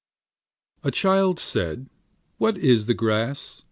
6 A child said What is the grass?